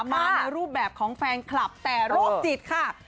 มาในรูปแบบของแฟนคลับแต่โรคจิตค่ะ